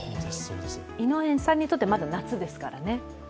井上さんにとっては、まだ夏ですからね。